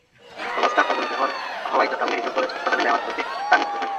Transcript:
অবস্থার অবনতি হওয়ায় চট্টগ্রাম মেডিকেল কলেজ হাসপাতালে নেওয়ার পথে তাঁর মৃত্যু হয়।